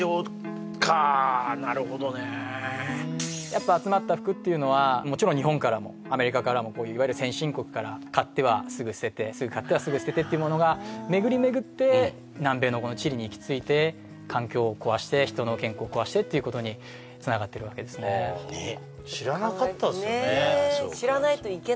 なるほどねやっぱ集まった服っていうのはもちろん日本からもアメリカからもいわゆる先進国から買ってはすぐ捨てて買ってはすぐ捨ててっていうものがめぐりめぐって南米のこのチリに行き着いて環境を壊して人の健康を壊してっていうことにつながってるわけですねねっねえ